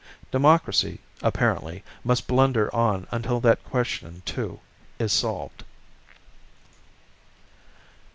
Democracy, apparently, must blunder on until that question too, is solved.